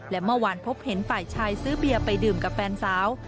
และเมื่อวานพบเห็นฝ่ายชายซื้อเบียร์ไปดื่มกับแฟนสาว